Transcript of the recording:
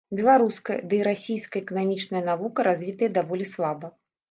Беларуская, дый расійская эканамічная навука развітыя даволі слаба.